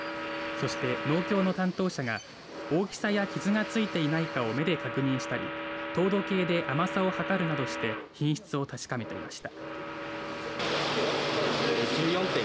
そして、農協の担当者が大きさや傷が付いていないかを目で確認したり糖度計で甘さを測るなどして品質を確かめていました。